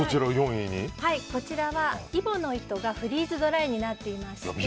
こちらは揖保乃糸がフリーズドライになっていまして。